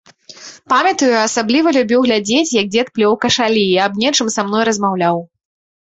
Памятаю, асабліва любіў глядзець, як дзед плёў кашалі і аб нечым са мной размаўляў.